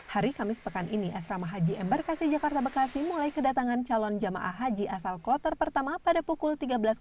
hari kamis pekan ini asrama haji embarkasi jakarta bekasi mulai kedatangan calon jemaah haji asal kloter pertama pada pukul tiga belas empat puluh